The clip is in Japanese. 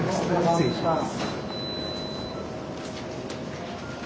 失礼します。